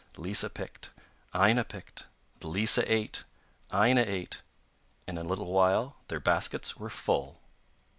Lisa picked, Aina picked. Lisa ate, Aina ate, and in a little while their baskets were full.